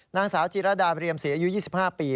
นางสาวจิรดาเรียมศรีอายุ๒๕ปี